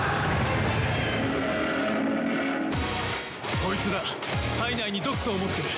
コイツら体内に毒素を持ってる。